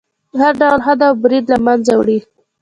هر ډول حد او برید له منځه وړي.